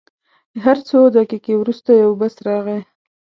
هر څو دقیقې وروسته یو بس راغی.